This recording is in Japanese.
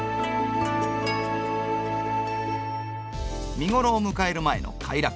見頃を迎える前の偕楽園。